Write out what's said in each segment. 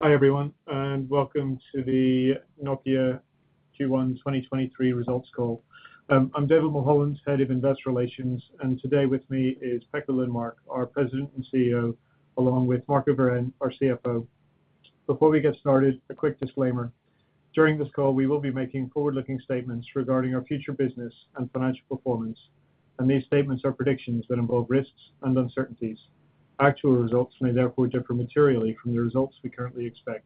Hi everyone, welcome to the Nokia Q1 2023 results call. I'm David Mulholland, Head of Investor Relations, and today with me is Pekka Lundmark, our President and CEO, along with Marco Wiren, our CFO. Before we get started, a quick disclaimer. During this call, we will be making forward-looking statements regarding our future business and financial performance, and these statements are predictions that involve risks and uncertainties. Actual results may therefore differ materially from the results we currently expect.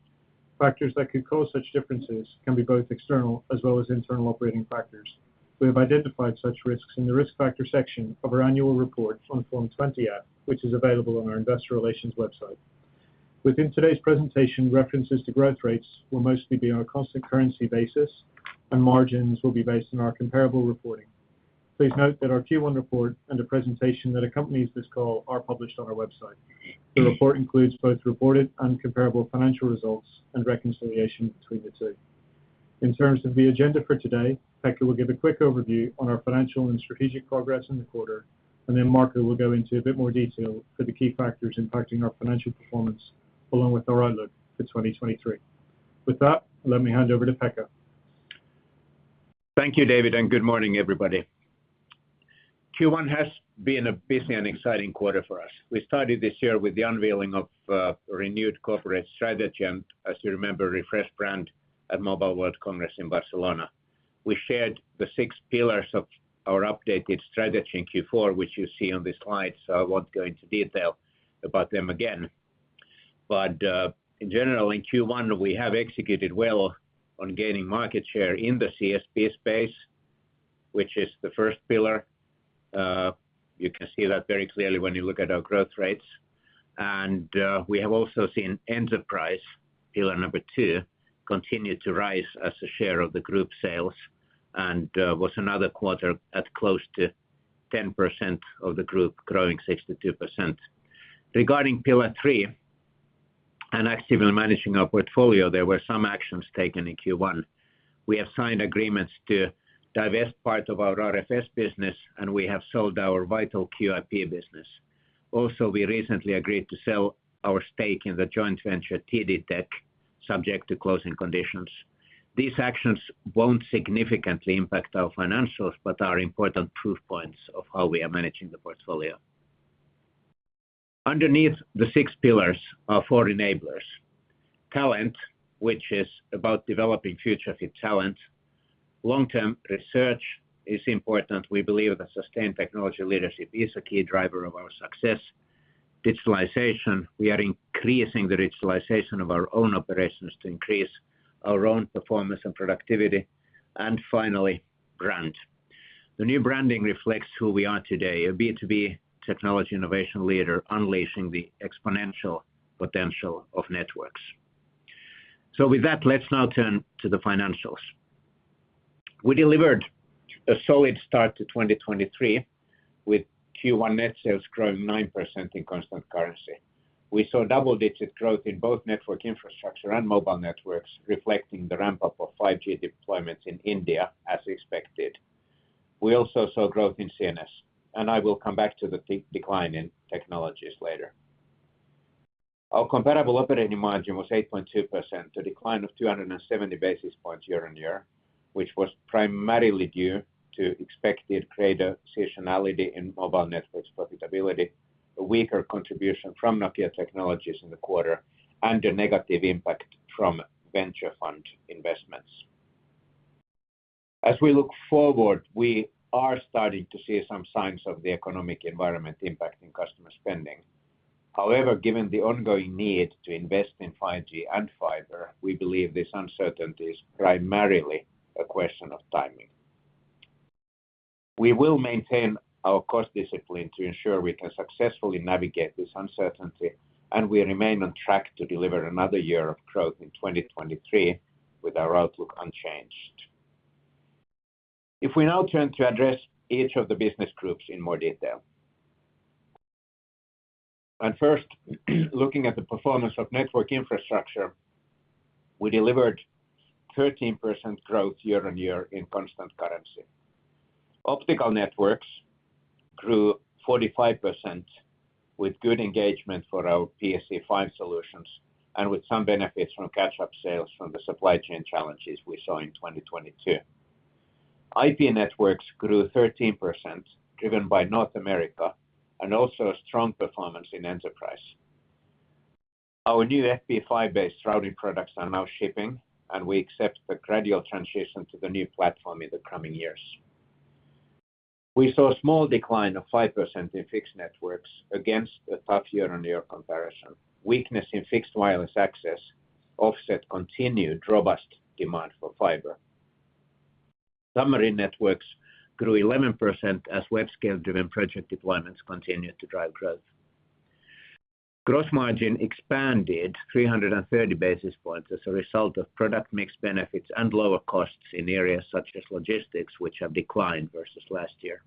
Factors that could cause such differences can be both external as well as internal operating factors. We have identified such risks in the risk factor section of our annual report on Form 20-F, which is available on our investor relations website. Within today's presentation, references to growth rates will mostly be on a constant currency basis, and margins will be based on our comparable reporting. Please note that our Q1 report and the presentation that accompanies this call are published on our website. The report includes both reported and comparable financial results and reconciliation between the two. In terms of the agenda for today, Pekka will give a quick overview on our financial and strategic progress in the quarter, and then Marco will go into a bit more detail for the key factors impacting our financial performance, along with our outlook for 2023. With that, let me hand over to Pekka. Thank you, David, and good morning, everybody. Q1 has been a busy and exciting quarter for us. We started this year with the unveiling of a renewed corporate strategy and, as you remember, refreshed brand at Mobile World Congress in Barcelona. We shared the six pillars of our updated strategy in Q4, which you see on this slide, so I won't go into detail about them again. In general, in Q1, we have executed well on gaining market share in the CSP space, which is the first pillar. You can see that very clearly when you look at our growth rates. We have also seen enterprise, pillar number TWO, continue to rise as a share of the group sales and was another quarter at close to 10% of the group growing 62%. Regarding Pillar three and actively managing our portfolio, there were some actions taken in Q1. We have signed agreements to divest part of our RFS business, and we have sold our VitalQIP business. We recently agreed to sell our stake in the joint venture, TD Tech, subject to closing conditions. These actions won't significantly impact our financials, but are important proof points of how we are managing the portfolio. Underneath the six pillars are four enablers. Talent, which is about developing future-fit talent. Long-term research is important. We believe that sustained technology leadership is a key driver of our success. Digitalization, we are increasing the digitalization of our own operations to increase our own performance and productivity. Finally, brand. The new branding reflects who we are today, a B2B technology innovation leader unleashing the exponential potential of networks. With that, let's now turn to the financials. We delivered a solid start to 2023, with Q1 net sales growing 9% in constant currency. We saw double-digit growth in both Network Infrastructure and Mobile Networks, reflecting the ramp-up of 5G deployments in India as expected. We also saw growth in CNS, and I will come back to the decline in Nokia Technologies later. Our comparable operating margin was 8.2%, a decline of 270 basis points year-on-year, which was primarily due to expected greater seasonality in Mobile Networks profitability, a weaker contribution from Nokia Technologies in the quarter and a negative impact from Nokia venture fund investments. As we look forward, we are starting to see some signs of the economic environment impacting customer spending. Given the ongoing need to invest in 5G and fiber, we believe this uncertainty is primarily a question of timing. We will maintain our cost discipline to ensure we can successfully navigate this uncertainty, we remain on track to deliver another year of growth in 2023 with our outlook unchanged. If we now turn to address each of the business groups in more detail. First, looking at the performance of Network Infrastructure, we delivered 13% growth year-on-year in constant currency. Optical Networks grew 45% with good engagement for our PSE-5 solutions and with some benefits from catch-up sales from the supply chain challenges we saw in 2022. IP Networks grew 13%, driven by North America and also a strong performance in enterprise. Our new FP5-based routing products are now shipping. We accept the gradual transition to the new platform in the coming years. We saw a small decline of 5% in fixed networks against a tough year-on-year comparison. Weakness in fixed wireless access offset continued robust demand for fiber. Summary Networks grew 11% as web scale-driven project deployments continued to drive growth. Gross margin expanded 330 basis points as a result of product mix benefits and lower costs in areas such as logistics, which have declined versus last year.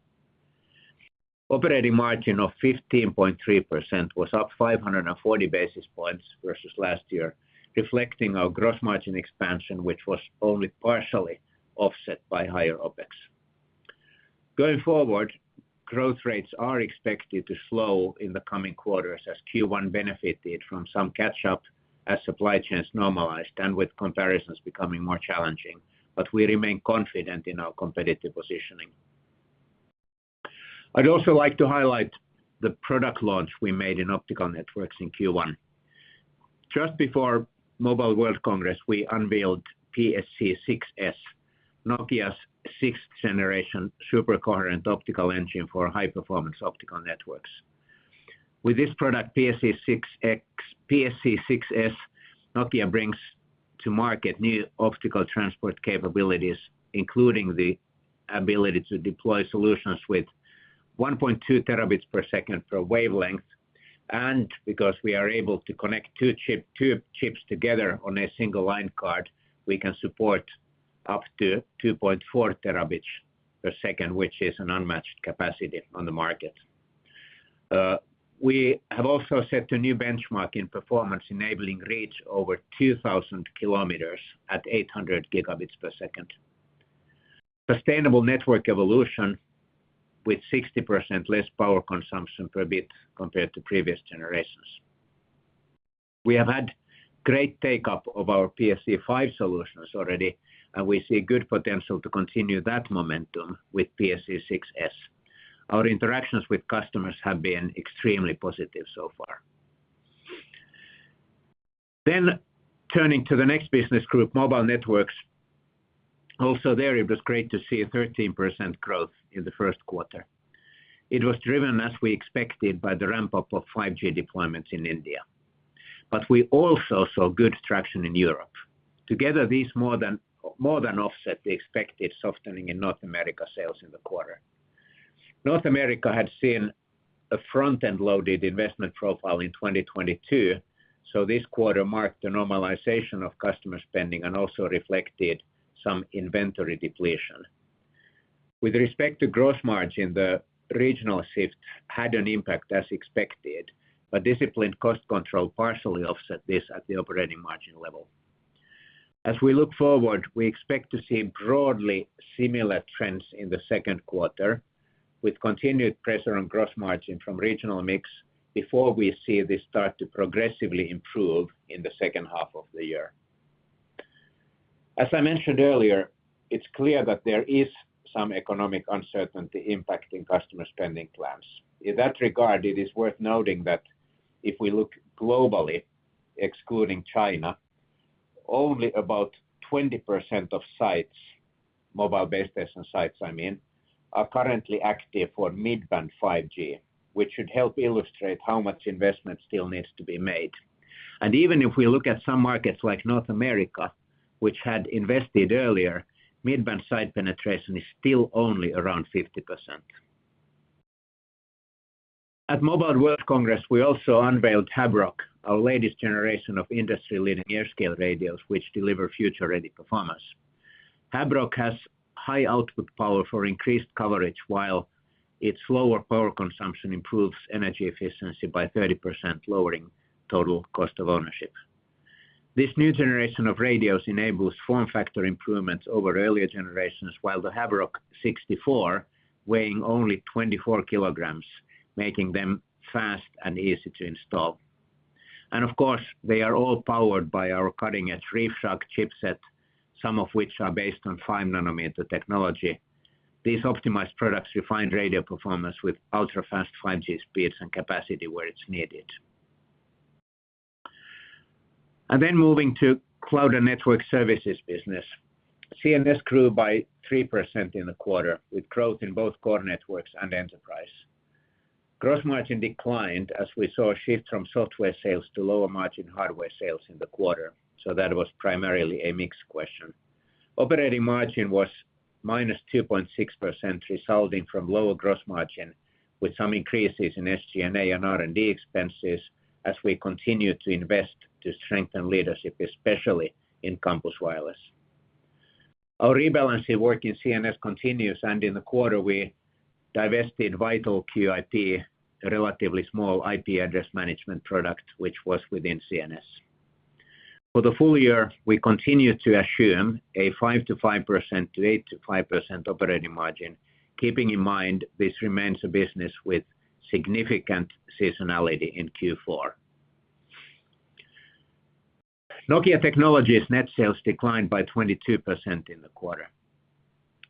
Operating margin of 15.3% was up 540 basis points versus last year, reflecting our gross margin expansion, which was only partially offset by higher OpEx. Going forward, growth rates are expected to slow in the coming quarters as Q1 benefited from some catch-up as supply chains normalized and with comparisons becoming more challenging. We remain confident in our competitive positioning. I'd also like to highlight the product launch we made in Optical Networks in Q1. Just before Mobile World Congress, we unveiled PSE-6s, Nokia's sixth-generation super coherent optical engine for high performance optical networks. With this product, PSE-6s, Nokia brings to market new optical transport capabilities, including the ability to deploy solutions with 1.2 terabits per second per wavelength. Because we are able to connect two chips together on a single line card, we can support up to 2.4 terabits per second, which is an unmatched capacity on the market. We have also set a new benchmark in performance enabling reach over 2,000 kilometers at 800 gigabits per second. Sustainable network evolution with 60% less power consumption per bit compared to previous generations. We have had great take-up of our PSE-5 solutions already. We see good potential to continue that momentum with PSE-6s. Our interactions with customers have been extremely positive so far. Turning to the next business group, Mobile Networks. There it was great to see a 13% growth in the first quarter. It was driven, as we expected, by the ramp-up of 5G deployments in India. We also saw good traction in Europe. Together, these more than offset the expected softening in North America sales in the quarter. North America had seen a front-end loaded investment profile in 2022, so this quarter marked the normalization of customer spending and also reflected some inventory depletion. With respect to gross margin, the regional shift had an impact as expected, but disciplined cost control partially offset this at the operating margin level. As we look forward, we expect to see broadly similar trends in the second quarter, with continued pressure on gross margin from regional mix before we see this start to progressively improve in the second half of the year. As I mentioned earlier, it's clear that there is some economic uncertainty impacting customer spending plans. In that regard, it is worth noting that if we look globally, excluding China, only about 20% of sites, mobile base station sites, I mean, are currently active for mid-band 5G, which should help illustrate how much investment still needs to be made. Even if we look at some markets like North America, which had invested earlier, mid-band site penetration is still only around 50%. At Mobile World Congress, we also unveiled Habrok, our latest generation of industry-leading AirScale radios, which deliver future-ready performance. Habrok has high output power for increased coverage, while its lower power consumption improves energy efficiency by 30%, lowering total cost of ownership. This new generation of radios enables form factor improvements over earlier generations, while the Habrok 64 weighing only 24 kilograms, making them fast and easy to install. Of course, they are all powered by our cutting-edge ReefShark chipset, some of which are based on five nanometer technology. These optimized products refine radio performance with ultra-fast 5G speeds and capacity where it's needed. Moving to Cloud and Network Services business. CNS grew by 3% in the quarter, with growth in both core networks and enterprise. Gross margin declined as we saw a shift from software sales to lower-margin hardware sales in the quarter, that was primarily a mix question. Operating margin was -2.6%, resulting from lower gross margin, with some increases in SG&A and R&D expenses as we continue to invest to strengthen leadership, especially in campus wireless. Our rebalancing work in CNS continues, in the quarter, we divested VitalQIP, a relatively small IP address management product which was within CNS. For the full year, we continue to assume a 5-5% to 8-5% operating margin, keeping in mind this remains a business with significant seasonality in Q4. Nokia Technologies net sales declined by 22% in the quarter.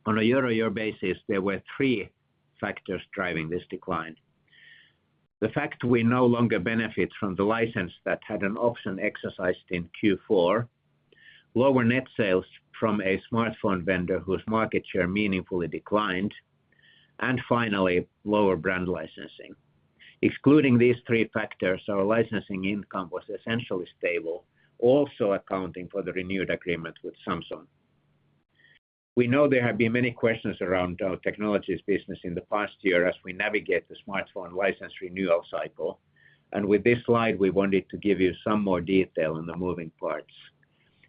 On a year-on-year basis, there were three factors driving this decline. The fact we no longer benefit from the license that had an option exercised in Q4, lower net sales from a smartphone vendor whose market share meaningfully declined, and finally, lower brand licensing. Excluding these three factors, our licensing income was essentially stable, also accounting for the renewed agreement with Samsung. We know there have been many questions around our Technologies business in the past year as we navigate the smartphone license renewal cycle. With this slide, we wanted to give you some more detail on the moving parts.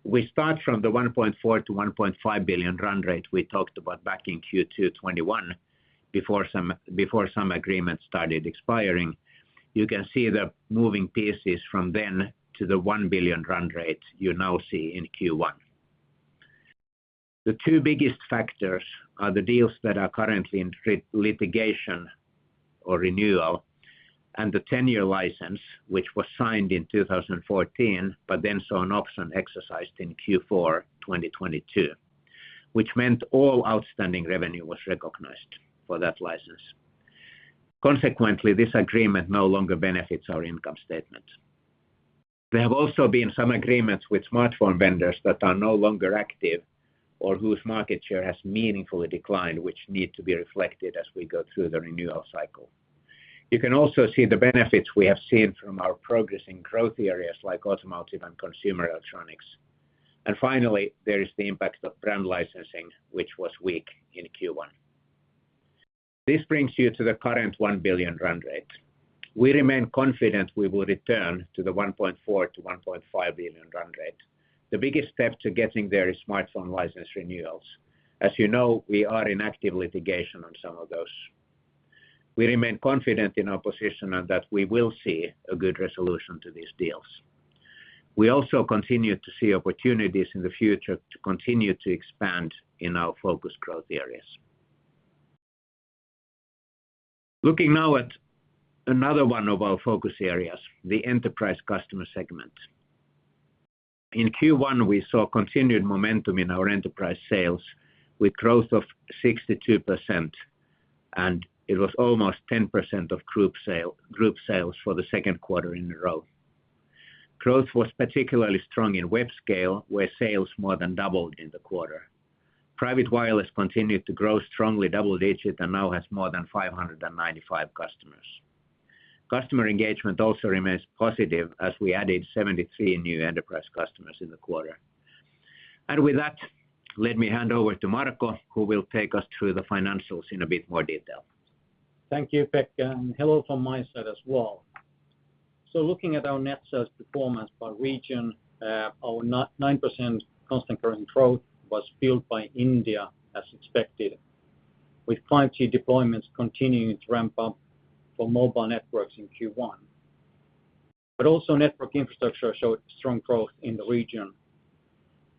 We start from the 1.4 billion-1.5 billion run rate we talked about back in Q2 2021 before some agreements started expiring. You can see the moving pieces from then to the 1 billion run rate you now see in Q1. The two biggest factors are the deals that are currently in litigation or renewal and the tenure license, which was signed in 2014, saw an option exercised in Q4 2022, which meant all outstanding revenue was recognized for that license. Consequently, this agreement no longer benefits our income statement. There have also been some agreements with smartphone vendors that are no longer active or whose market share has meaningfully declined, which need to be reflected as we go through the renewal cycle. You can also see the benefits we have seen from our progress in growth areas like automotive and consumer electronics. Finally, there is the impact of brand licensing, which was weak in Q1. This brings you to the current 1 billion run rate. We remain confident we will return to the 1.4 billion-1.5 billion run rate. The biggest step to getting there is smartphone license renewals. You know, we are in active litigation on some of those. We remain confident in our position and that we will see a good resolution to these deals. We also continue to see opportunities in the future to continue to expand in our focus growth areas. Looking now at another one of our focus areas, the enterprise customer segment. In Q1, we saw continued momentum in our enterprise sales with growth of 62%. It was almost 10% of group sales for the second quarter in a row. Growth was particularly strong in web scale, where sales more than doubled in the quarter. Private wireless continued to grow strongly double-digit and now has more than 595 customers. Customer engagement also remains positive as we added 73 new enterprise customers in the quarter. With that, let me hand over to Marco, who will take us through the financials in a bit more detail. Thank you, Pekka, and hello from my side as well. Looking at our net sales performance by region, our 9.9% constant current growth was fueled by India as expected, with 5G deployments continuing to ramp up for Mobile Networks in Q1. Also Network Infrastructure showed strong growth in the region.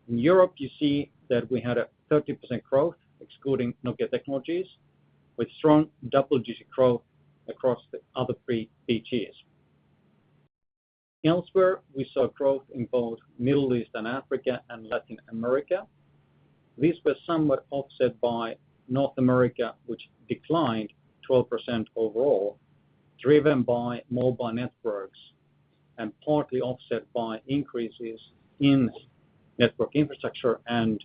In Europe, you see that we had a 30% growth excluding Nokia Technologies, with strong double-digit growth across the other three BGs. Elsewhere, we saw growth in both Middle East and Africa and Latin America. This was somewhat offset by North America, which declined 12% overall, driven by Mobile Networks and partly offset by increases in Network Infrastructure and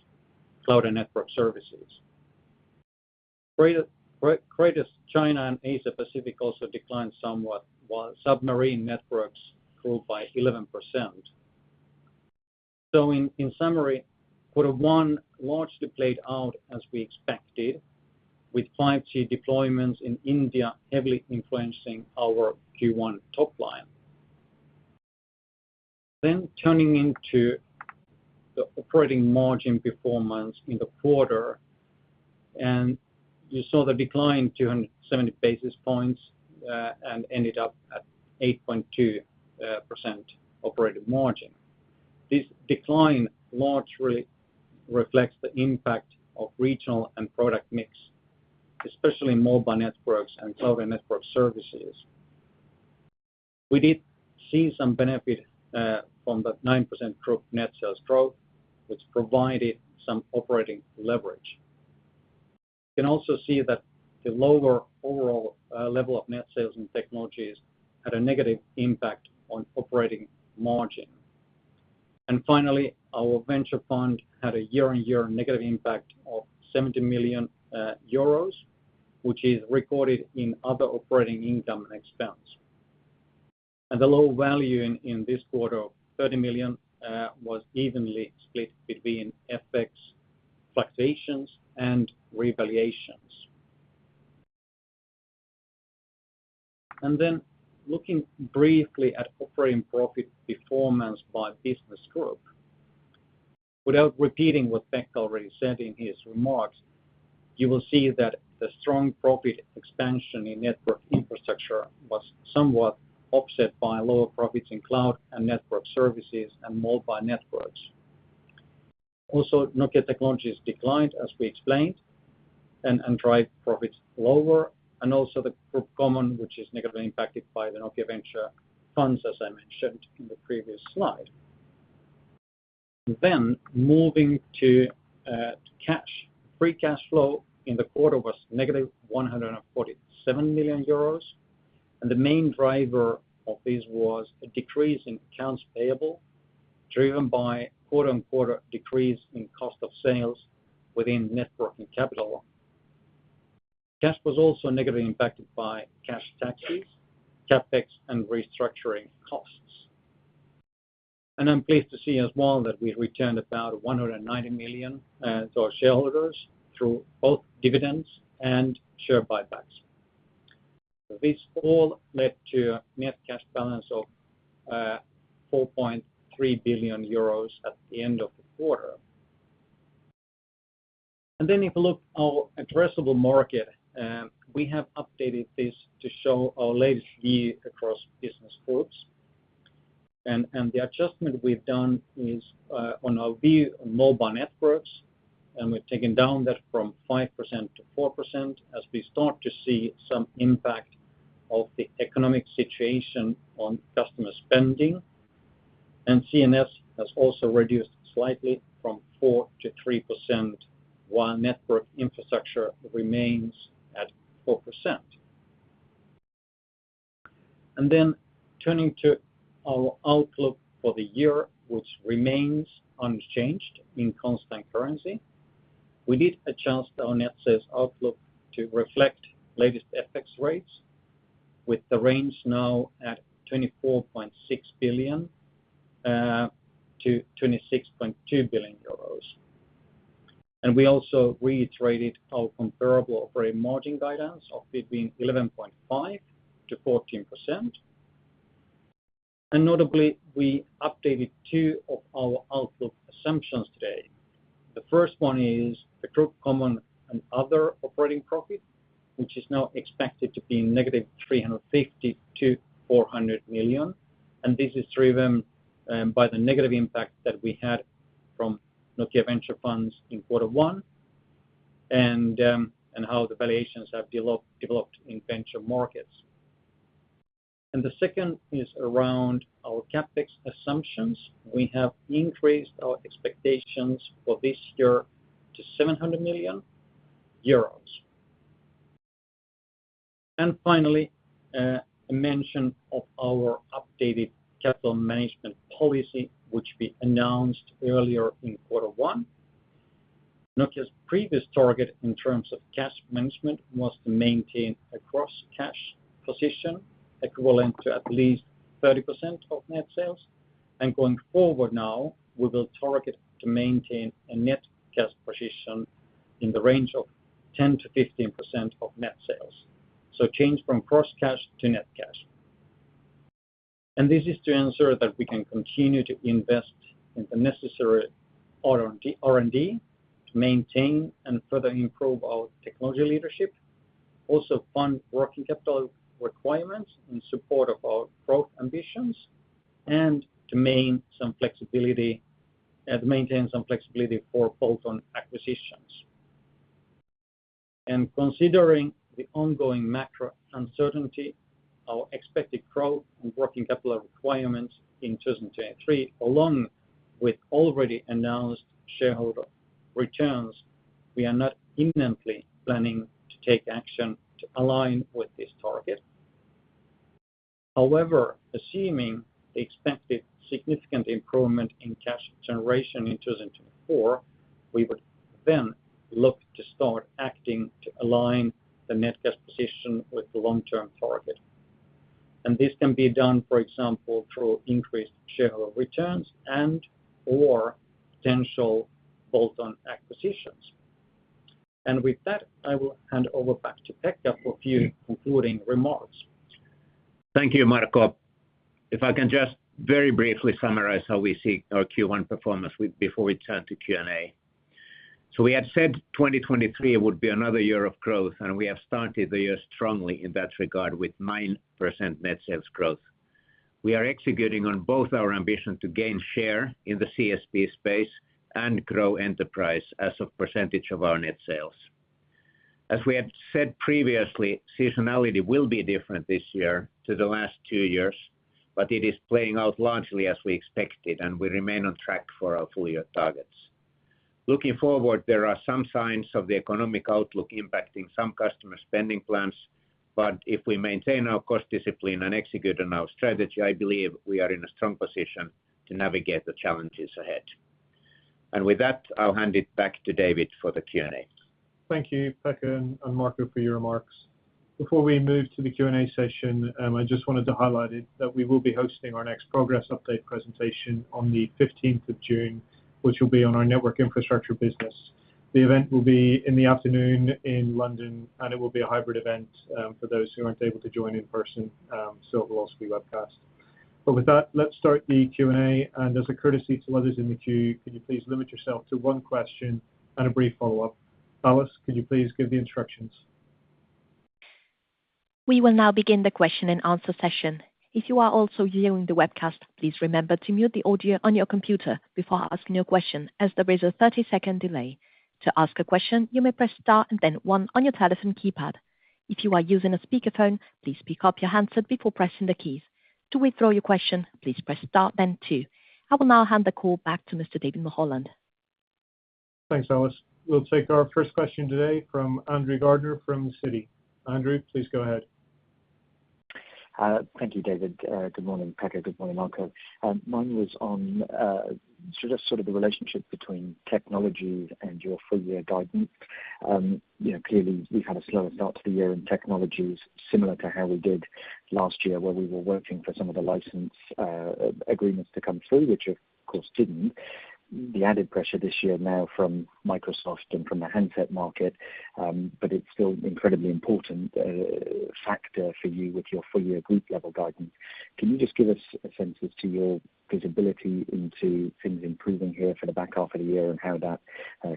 Cloud and Network Services. Greater China and Asia Pacific also declined somewhat while Submarine Networks grew by 11%. In summary, Q1 largely played out as we expected, with 5G deployments in India heavily influencing our Q1 top line. Turning into the operating margin performance in the quarter, you saw the decline 270 basis points and ended up at 8.2% operating margin. This decline largely reflects the impact of regional and product mix, especially Mobile Networks and Cloud and Network Services. We did see some benefit from that 9% group net sales growth, which provided some operating leverage. You can also see that the lower overall level of net sales and Nokia Technologies had a negative impact on operating margin. Finally, our Nokia venture fund had a year-on-year negative impact of 70 million euros, which is recorded in other operating income and expense. The low value in this quarter of 30 million was evenly split between FX fluctuations and revaluations. Looking briefly at operating profit performance by business group. Without repeating what Pekka already said in his remarks, you will see that the strong profit expansion in Network Infrastructure was somewhat offset by lower profits in Cloud and Network Services and Mobile Networks. Also, Nokia Technologies declined, as we explained, and drive profits lower, and also the group common, which is negatively impacted by the Nokia venture fund, as I mentioned in the previous slide. Moving to cash. Free cash flow in the quarter was negative 147 million euros, and the main driver of this was a decrease in accounts payable, driven by quarter-on-quarter decrease in cost of sales within network and capital. Cash was also negatively impacted by cash taxes, CapEx and restructuring costs. I'm pleased to see as well that we returned about 190 million to our shareholders through both dividends and share buybacks. This all led to net cash balance of 4.3 billion euros at the end of the quarter. If you look our addressable market, we have updated this to show our latest view across business groups. The adjustment we've done is on our view on Mobile Networks, and we've taken down that from 5% to 4% as we start to see some impact of the economic situation on customer spending. CNS has also reduced slightly from 4% to 3%, while Network Infrastructure remains at 4%. Turning to our outlook for the year, which remains unchanged in constant currency. We did adjust our net sales outlook to reflect latest FX rates with the range now at 24.6 billion-26.2 billion euros. We also reiterated our comparable operating margin guidance of between 11.5% to 14%. Notably, we updated two of our outlook assumptions today. The first one is the Group Common and Other Operating Profit, which is now expected to be -350 million-400 million, and this is driven by the negative impact that we had from Nokia venture fund in quarter one and how the valuations have developed in venture markets. The second is around our CapEx assumptions. We have increased our expectations for this year to 700 million euros. Finally, a mention of our updated capital management policy, which we announced earlier in Q1. Nokia's previous target in terms of cash management was to maintain a cross-cash position equivalent to at least 30% of net sales. Going forward now, we will target to maintain a net cash position in the range of 10%-15% of net sales. Change from cross-cash to net cash. This is to ensure that we can continue to invest in the necessary R&D to maintain and further improve our technology leadership. Also fund working capital requirements in support of our growth ambitions and to maintain some flexibility for bolt-on acquisitions. Considering the ongoing macro uncertainty, our expected growth and working capital requirements in 2023, along with already announced shareholder returns, we are not imminently planning to take action to align with this target. However, assuming the expected significant improvement in cash generation in 2024, we would then look to start acting to align the net cash position with the long-term target. This can be done, for example, through increased shareholder returns and/or potential bolt-on acquisitions. With that, I will hand over back to Pekka for a few concluding remarks. Thank you, Marco. If I can just very briefly summarize how we see our Q1 performance before we turn to Q&A. We had said 2023 would be another year of growth, and we have started the year strongly in that regard with 9% net sales growth. We are executing on both our ambition to gain share in the CSP space and grow enterprise as a percentage of our net sales. As we had said previously, seasonality will be different this year to the last two years, it is playing out largely as we expected, and we remain on track for our full-year targets. Looking forward, there are some signs of the economic outlook impacting some customer spending plans, if we maintain our cost discipline and execute on our strategy, I believe we are in a strong position to navigate the challenges ahead. With that, I'll hand it back to David for the Q&A. Thank you, Pekka and Marco for your remarks. Before we move to the Q&A session, I just wanted to highlight it that we will be hosting our next progress update presentation on the 15th of June, which will be on our Network Infrastructure business. The event will be in the afternoon in London, and it will be a hybrid event, for those who aren't able to join in person, so it will also be webcast. With that, let's start the Q&A. As a courtesy to others in the queue, could you please limit yourself to one question and a brief follow-up? Alice, could you please give the instructions? We will now begin the question-and-answer session. If you are also viewing the webcast, please remember to mute the audio on your computer before asking your question, as there is a 30 second delay. To ask a question, you may Press Star and then one on your telephone keypad. If you are using a speakerphone, please pick up your handset before pressing the keys. To withdraw your question, please Press Star then two. I will now hand the call back to Mr David Mulholland. Thanks, Alice. We'll take our first question today from Andrew Gardiner from Citi. Andrew, please go ahead. Thank you, David. Good morning, Pekka, good morning, Marco. Mine was on, sort of the relationship between technology and your full year guidance. You know, clearly we've had a slower start to the year. Technology is similar to how we did last year where we were working for some of the license agreements to come through, which of course didn't. The added pressure this year now from Microsoft and from the handset market, but it's still incredibly important factor for you with your full year group level guidance. Can you just give us a sense as to your visibility into things improving here for the back half of the year and how that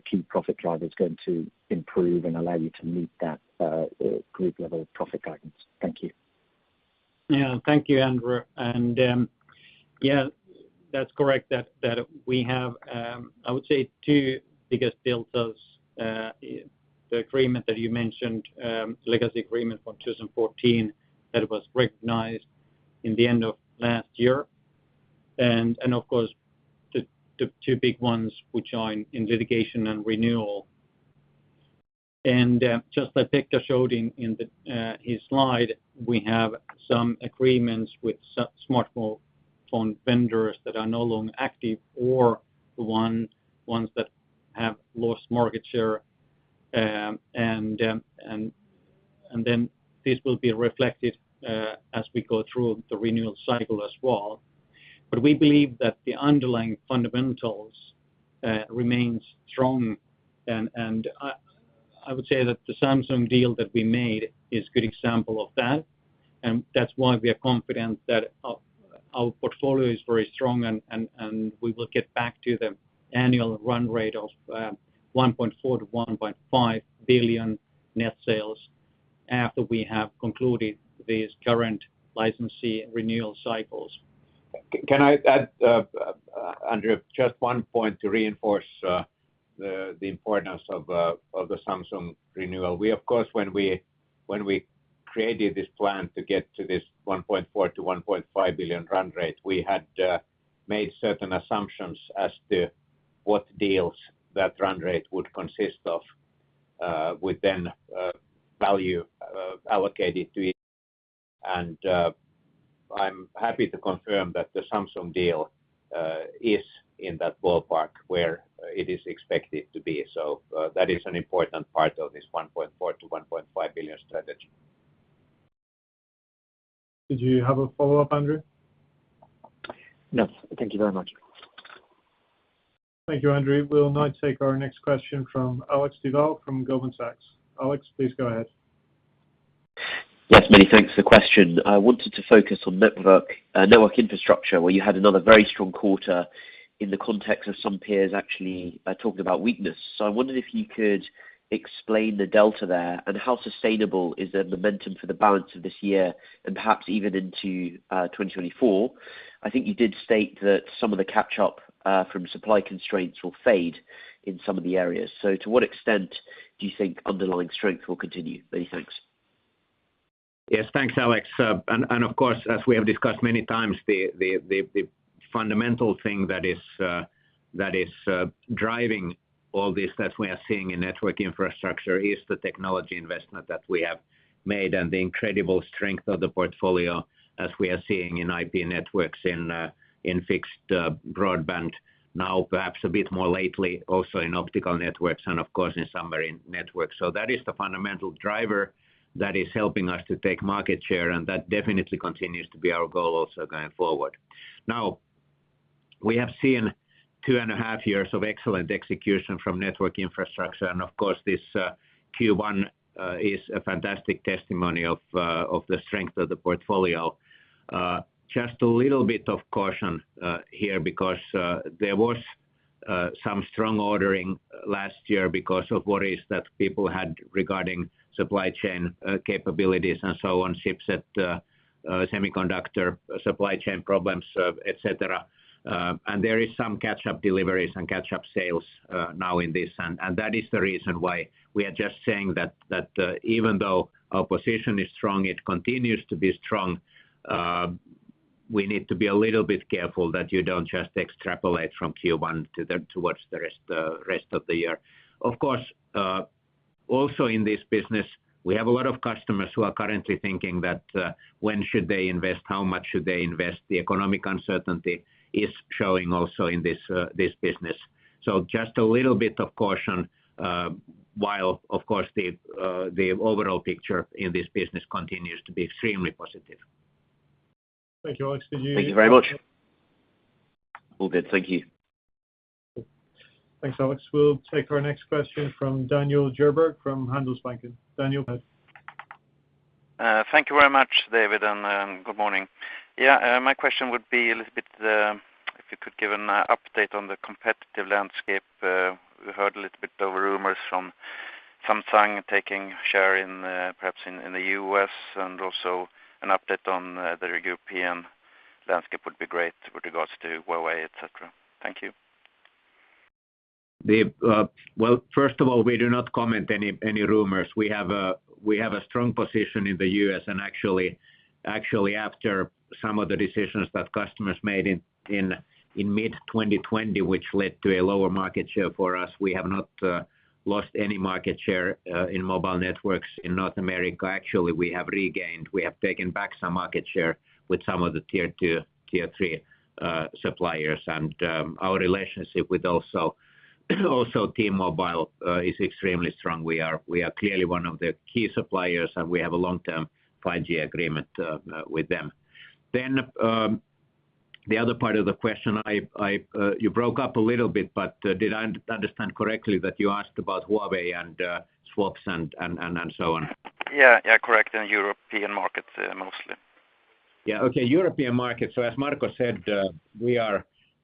key profit driver is going to improve and allow you to meet that group level profit guidance? Thank you. Yeah, that's correct that we have I would say two biggest deltas, the agreement that you mentioned, legacy agreement from 2014 that was recognized in the end of last year. Of course, the two big ones which are in litigation and renewal. Just like Pekka showed in the his slide, we have some agreements with smartphone vendors that are no longer active or the ones that have lost market share. Then this will be reflected as we go through the renewal cycle as well. We believe that the underlying fundamentals remains strong. I would say that the Samsung deal that we made is a good example of that, and that's why we are confident that our portfolio is very strong and we will get back to the annual run rate of 1.4 billion-1.5 billion net sales after we have concluded these current licensee renewal cycles. Can I add, Andrew, just one point to reinforce the importance of the Samsung renewal? We, of course, when we created this plan to get to this 1.4 billion-1.5 billion run rate, we had made certain assumptions as to what deals that run rate would consist of, with then value allocated to it. I'm happy to confirm that the Samsung deal is in that ballpark where it is expected to be. That is an important part of this 1.4 billion-1.5 billion strategy. Did you have a follow-up, Andrew? No. Thank you very much. Thank you, Andrew. We'll now take our next question from Alexander Duval from Goldman Sachs. Alex, please go ahead. Yes. Many thanks for the question. I wanted to focus on network infrastructure, where you had another very strong quarter in the context of some peers actually talking about weakness. I wondered if you could explain the delta there and how sustainable is the momentum for the balance of this year and perhaps even into 2024. I think you did state that some of the catch up from supply constraints will fade in some of the areas. To what extent do you think underlying strength will continue? Many thanks. Yes, thanks, Alex. Of course, as we have discussed many times, the fundamental thing that is driving all this that we are seeing in network infrastructure is the technology investment that we have made and the incredible strength of the portfolio as we are seeing in IP networks in fixed broadband now perhaps a bit more lately also in optical networks and of course in submarine networks. That is the fundamental driver that is helping us to take market share, and that definitely continues to be our goal also going forward. We have seen two and a half years of excellent execution from network infrastructure, and of course, this Q1 is a fantastic testimony of the strength of the portfolio. Just a little bit of caution here because there was some strong ordering last year because of worries that people had regarding supply chain capabilities and so on, ships at semiconductor supply chain problems, et cetera. There is some catch-up deliveries and catch-up sales now in this. That is the reason why we are just saying that, even though our position is strong, it continues to be strong, we need to be a little bit careful that you don't just extrapolate from Q1 towards the rest of the year. Of course, also in this business, we have a lot of customers who are currently thinking that, when should they invest? How much should they invest? The economic uncertainty is showing also in this business. Just a little bit of caution, while of course the overall picture in this business continues to be extremely positive. Thank you, Alex. Thank you very much. All good. Thank you. Thanks, Alex. We'll take our next question from Daniel Djurberg from Handelsbanken. Daniel, go ahead. Thank you very much, David. Good morning. My question would be a little bit if you could give an update on the competitive landscape. We heard a little bit over rumors from Samsung taking share in perhaps in the U.S. and also an update on the European landscape would be great with regards to Huawei, et cetera. Thank you. Well, first of all, we do not comment any rumors. We have a strong position in the U.S. actually, after some of the decisions that customers made in mid-2020, which led to a lower market share for us, we have not lost any market share in mobile networks in North America. Actually, we have regained. We have taken back some market share with some of the tier two, tier two suppliers. Our relationship with also T-Mobile is extremely strong. We are clearly one of their key suppliers, and we have a long-term 5G agreement with them. The other part of the question you broke up a little bit, but did I understand correctly that you asked about Huawei and swaps and so on? Yeah. Yeah. Correct. In European markets, mostly. Yeah. Okay. European markets. As Marco said,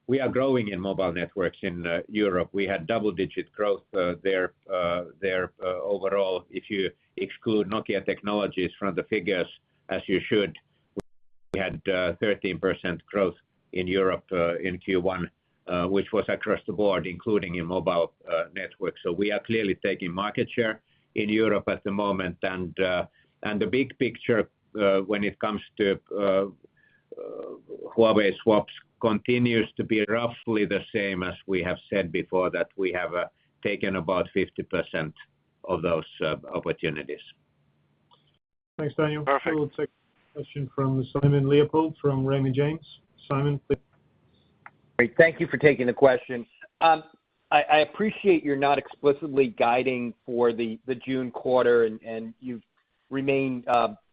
we are growing in mobile networks in Europe. We had double-digit growth there overall. If you exclude Nokia Technologies from the figures as you should, we had 13% growth in Europe in Q1, which was across the board, including in mobile networks. We are clearly taking market share in Europe at the moment. The big picture when it comes to Huawei swaps continues to be roughly the same as we have said before, that we have taken about 50% of those opportunities. Thanks, Daniel. Perfect. We'll take question from Simon Leopold from Raymond James. Simon, please. Great. Thank you for taking the question. I appreciate you're not explicitly guiding for the June quarter, and you've remained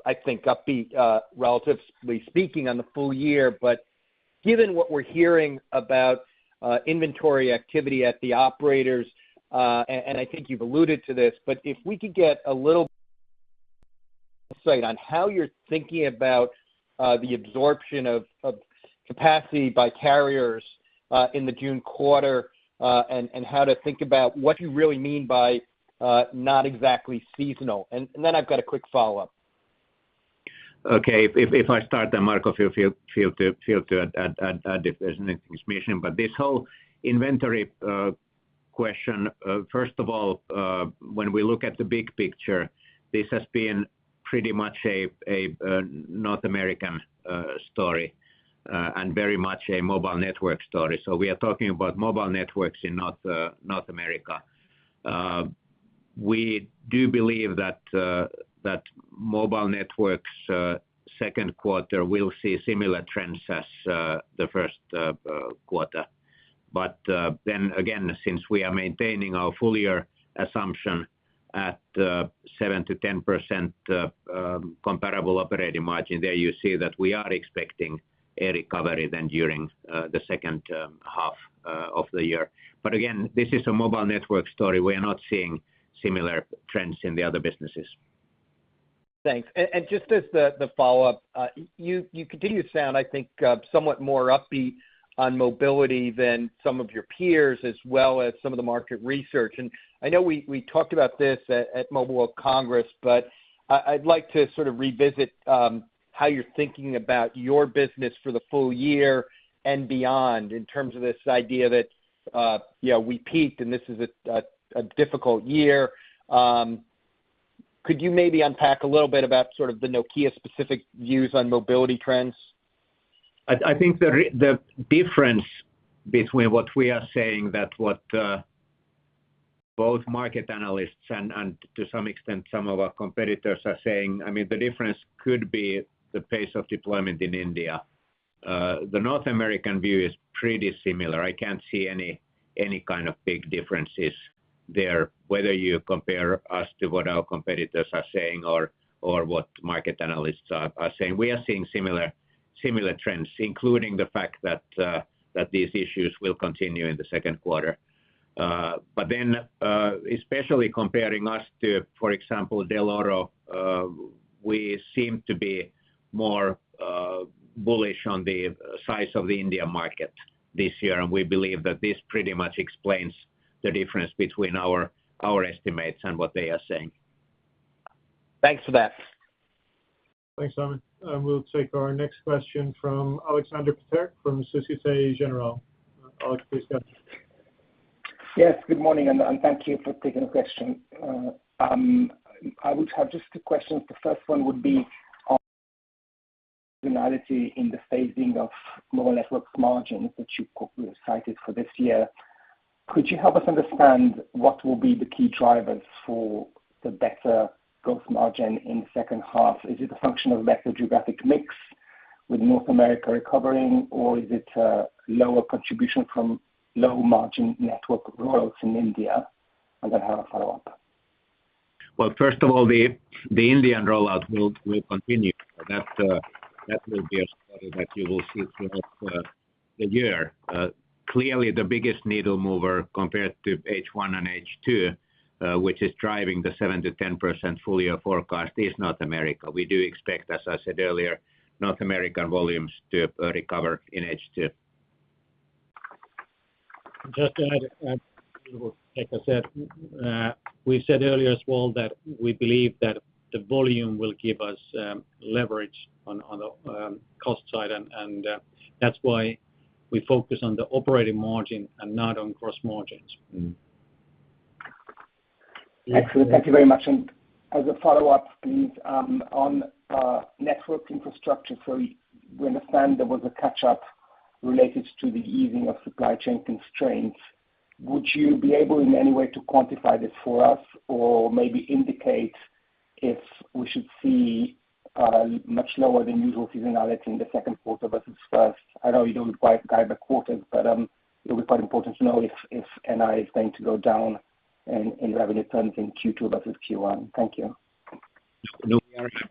I think upbeat, relatively speaking, on the full year. Given what we're hearing about inventory activity at the operators, and I think you've alluded to this, but if we could get a little insight on how you're thinking about the absorption of capacity by carriers, in the June quarter, and how to think about what you really mean by not exactly seasonal. Then I've got a quick follow-up. Okay. If I start then Marco feel to add if there's anything to mention. This whole inventory question, first of all, when we look at the big picture, this has been pretty much a North American story and very much a mobile network story. We are talking about mobile networks in North America. We do believe that mobile networks second quarter will see similar trends as the first quarter. Then again, since we are maintaining our full-year assumption at 7%-10% comparable operating margin, there you see that we are expecting a recovery then during the second half of the year. Again, this is a mobile network story. We are not seeing similar trends in the other businesses. Thanks. Just as the follow-up, you continue to sound, I think, somewhat more upbeat on mobility than some of your peers as well as some of the market research. I know we talked about this at Mobile World Congress, but I'd like to sort of revisit how you're thinking about your business for the full year and beyond in terms of this idea that, you know, we peaked and this is a difficult year. Could you maybe unpack a little bit about sort of the Nokia specific views on mobility trends? I think the difference between what we are saying that what both market analysts and to some extent some of our competitors are saying, I mean, the difference could be the pace of deployment in India. The North American view is pretty similar. I can't see any kind of big differences there, whether you compare us to what our competitors are saying or what market analysts are saying. We are seeing similar trends, including the fact that these issues will continue in the second quarter. Especially comparing us to, for example, Dell'Oro, we seem to be more bullish on the size of the India market this year. We believe that this pretty much explains the difference between our estimates and what they are saying. Thanks for that. Thanks, Simon. We'll take our next question from Aleksander Peterc from Societe Generale. Alex, please go ahead. Yes, good morning, and thank you for taking the question. I would have just two questions. The first one would be on seasonality in the phasing of mobile networks margins that you cited for this year. Could you help us understand what will be the key drivers for the better growth margin in second half? Is it a function of better geographic mix with North America recovering, or is it lower contribution from low margin network rollouts in India? I'm gonna have a follow-up. Well, first of all, the Indian rollout will continue. That will be a story that you will see throughout the year. Clearly the biggest needle mover compared to H1 and H2, which is driving the 7%-10% full year forecast, is North America. We do expect, as I said earlier, North American volumes to recover in H2. Just to add a little, like I said, we said earlier as well that we believe that the volume will give us leverage on the cost side, and that's why we focus on the operating margin and not on gross margins. Mm-hmm. Excellent. Thank you very much. As a follow-up, please, on network infrastructure, we understand there was a catch up related to the easing of supply chain constraints. Would you be able in any way to quantify this for us or maybe indicate if we should see much lower than usual seasonality in Q2 versus Q1? I know you don't quite guide the quarters, it would be quite important to know if NI is going to go down in revenue terms in Q2 versus Q1. Thank you. No,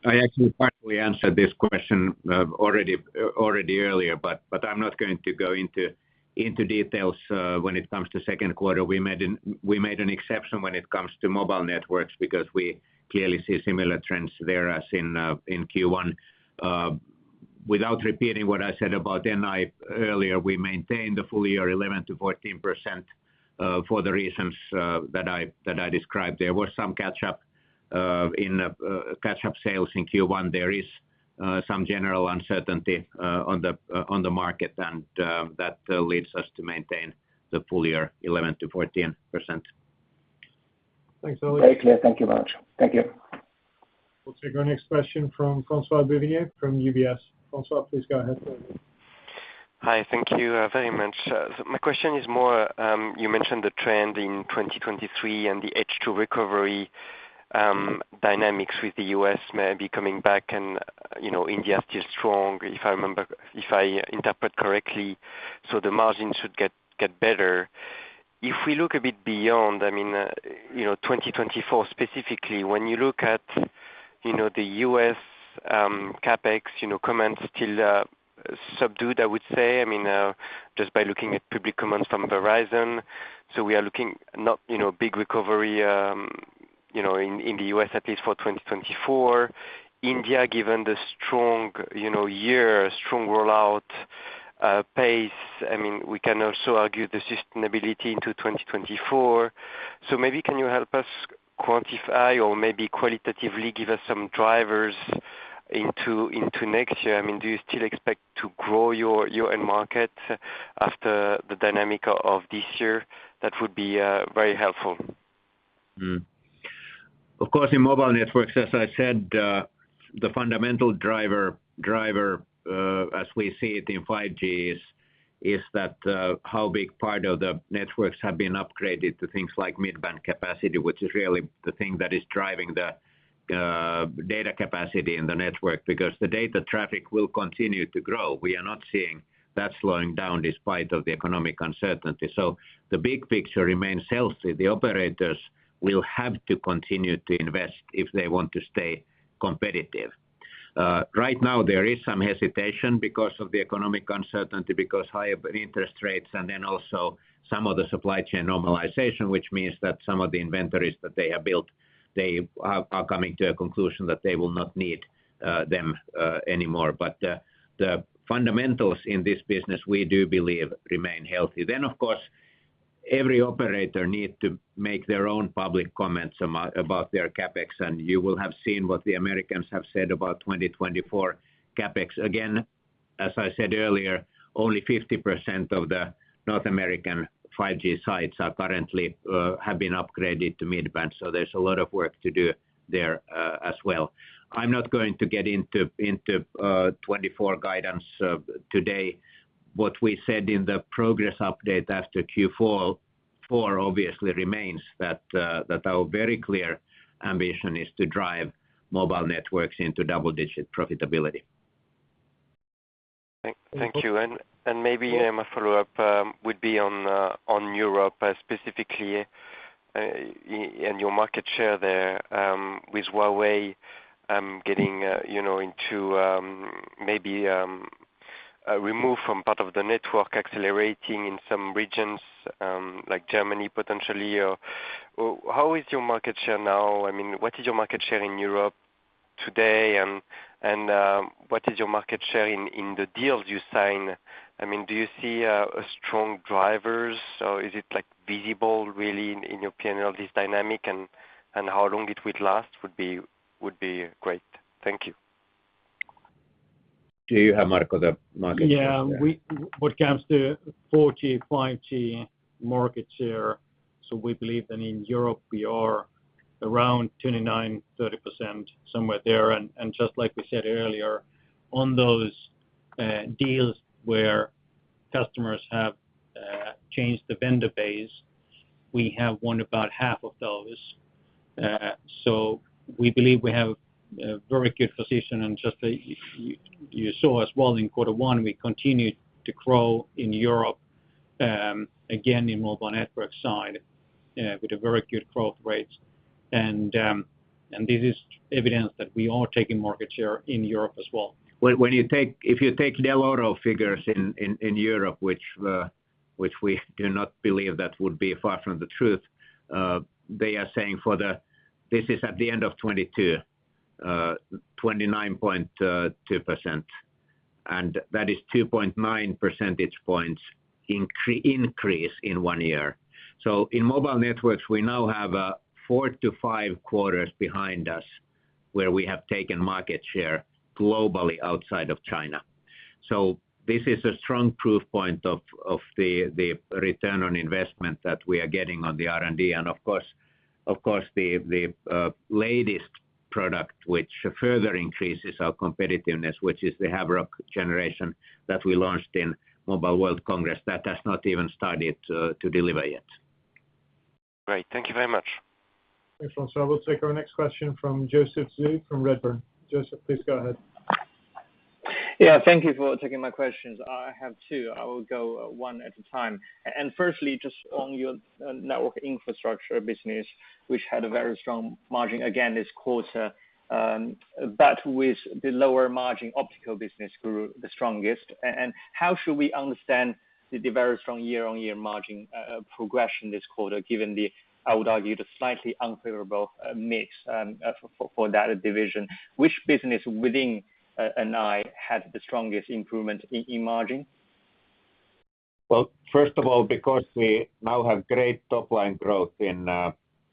I actually partly answered this question already earlier, but I'm not going to go into details when it comes to second quarter. We made an exception when it comes to Mobile Networks because we clearly see similar trends there as in Q1. Without repeating what I said about NI earlier, we maintained the full year 11%-14% for the reasons that I described. There was some catch up in catch up sales in Q1. There is some general uncertainty on the market, that leads us to maintain the full year 11%-14%. Thanks, Olli. Very clear. Thank you very much. Thank you. We'll take our next question from François Bouvignies from UBS. François, please go ahead. Hi. Thank you very much. My question is more, you mentioned the trend in 2023 and the H2 recovery dynamics with the U.S. maybe coming back and, you know, India still strong, if I interpret correctly. The margin should get better. If we look a bit beyond, I mean, you know, 2024 specifically, when you look at, you know, the U.S. CapEx, you know, comments still subdued, I would say. I mean, just by looking at public comments from Verizon. We are looking not, you know, big recovery, you know, in the U.S., at least for 2024. India, given the strong, you know, year, strong rollout pace, I mean, we can also argue the sustainability into 2024. Maybe can you help us quantify or maybe qualitatively give us some drivers into next year? I mean, do you still expect to grow your end market after the dynamic of this year? That would be very helpful. Of course, in mobile networks, as I said, the fundamental driver, as we see it in 5G is that how big part of the networks have been upgraded to things like mid-band capacity, which is really the thing that is driving the data capacity in the network because the data traffic will continue to grow. We are not seeing that slowing down despite of the economic uncertainty. The big picture remains healthy. The operators will have to continue to invest if they want to stay competitive. Right now there is some hesitation because of the economic uncertainty, because higher interest rates and then also some of the supply chain normalization, which means that some of the inventories that they have built, they are coming to a conclusion that they will not need them anymore. The fundamentals in this business, we do believe remain healthy. Of course, every operator need to make their own public comments about their CapEx, and you will have seen what the Americans have said about 2024 CapEx. As I said earlier, only 50% of the North American 5G sites are currently have been upgraded to mid-band, so there's a lot of work to do there as well. I'm not going to get into 2024 guidance today. What we said in the progress update after Q4 obviously remains that our very clear ambition is to drive mobile networks into double-digit profitability. Thank you. Maybe my follow-up would be on Europe specifically, and your market share there with Huawei getting, you know, into maybe removed from part of the network accelerating in some regions, like Germany potentially. How is your market share now? I mean, what is your market share in Europe today and what is your market share in the deals you sign? I mean, do you see a strong drivers or is it like visible really in your PNL, this dynamic and how long it will last would be great. Thank you. Do you have, Marco, the market share there? Yeah. What comes to 4G, 5G market share. We believe that in Europe we are around 29%-30%, somewhere there. Just like we said earlier, on those deals where customers have changed the vendor base, we have won about half of those. We believe we have a very good position. Just, you saw us well in quarter one, we continued to grow in Europe, again in mobile network side, with a very good growth rates. This is evidence that we are taking market share in Europe as well. If you take Dell'Oro figures in Europe, which we do not believe that would be far from the truth, they are saying This is at the end of 2022, 29.2%. That is 2.9% points increase in one year. In mobile networks, we now have 4-5 quarters behind us where we have taken market share globally outside of China. This is a strong proof point of the return on investment that we are getting on the R&D. Of course, the latest product which further increases our competitiveness, which is the Habrok generation that we launched in Mobile World Congress, that has not even started to deliver yet. Great. Thank you very much. Thanks, Francois. We'll take our next question from Joseph Zhou from Redburn. Joseph, please go ahead Yeah. Thank you for taking my questions. I have two. I will go one at a time. Firstly, just on your Network Infrastructure business, which had a very strong margin again this quarter, but with the lower margin optical business grew the strongest. How should we understand the very strong year-on-year margin progression this quarter, given the, I would argue, the slightly unfavorable mix for that division. Which business within NI had the strongest improvement in margin? First of all, because we now have great top line growth in